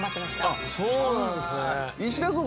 あっ、そうなんっすね。